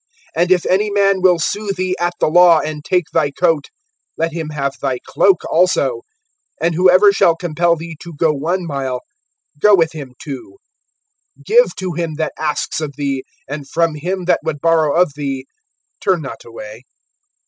(40)And if any man will sue thee at the law, and take thy coat, let him have thy cloak also. (41)And whoever shall compel thee to go one mile, go with him two. (42)Give to him that asks of thee, and from him that would borrow of thee turn not away.